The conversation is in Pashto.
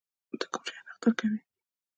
ته کوم شیان اختر کوې؟